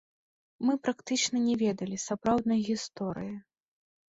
Мы практычна не ведалі сапраўднай гісторыі.